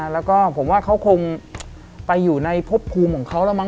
แล้วก็ผมว่าเขาคงไปอยู่ในพบภูมิของเขาแล้วมั